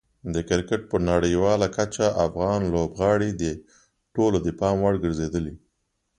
د کرکټ په نړیواله کچه افغان لوبغاړي د ټولو د پام وړ ګرځېدلي.